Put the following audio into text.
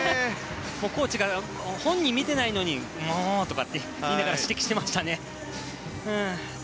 コーチが本人が見てないのにもー！って言いながら指摘していましたね。